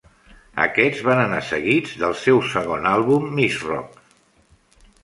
Aquests van anar seguits del seu segon àlbum, "Mizrock".